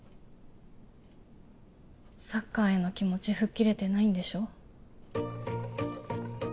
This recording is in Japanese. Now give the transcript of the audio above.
サッカーへの気持ち吹っ切れてないんでしょ